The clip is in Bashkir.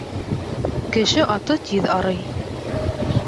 Кеше аты тиҙ арый.